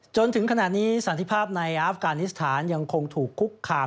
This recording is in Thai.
จนถึงขณะนี้สันติภาพในอาฟกานิสถานยังคงถูกคุกคาม